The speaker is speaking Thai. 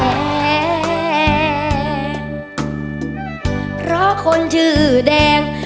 เพราะเธอชอบเมือง